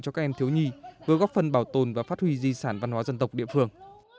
cho các em thiếu nhi vừa góp phần bảo tồn và phát huy di sản văn hóa dân tộc địa phương